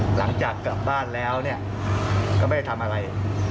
หลังจากกลับบ้านแล้วเนี่ยก็ไม่ได้ทำอะไร